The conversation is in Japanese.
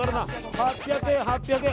８００円、８００円。